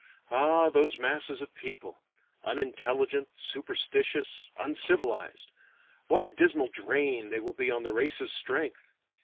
Ah, those masses of people unintelligent, superstitious, uncivilized! What a dismal drain they will be on the race's strength!